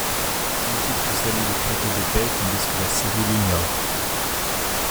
L'Égypte salue le traité de paix tandis que la Syrie l'ignore.